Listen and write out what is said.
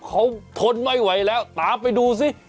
เขาทนไม่ไหวแล้วตามไปดูสิ